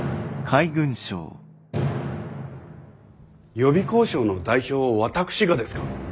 予備交渉の代表を私がですか？